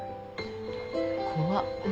怖っ。